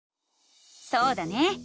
そうだね！